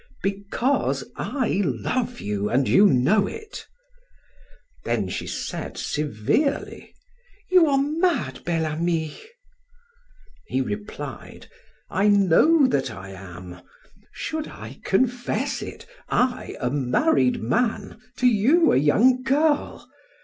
"Because I love you and you know it" Then she said severely: "You are mad, Bel Ami!" He replied: "I know that I am! Should I confess it I, a married man, to you, a young girl?